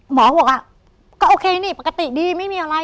หมอบอกว่าก็โอเคนี่ปกติดีไม่มีอะไร